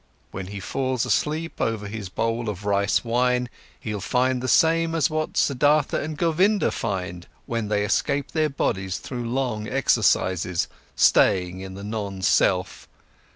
When he falls asleep over his bowl of rice wine, he'll find the same what Siddhartha and Govinda find when they escape their bodies through long exercises, staying in the non self.